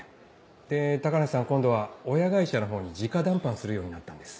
で高梨さん今度は親会社のほうに直談判するようになったんです。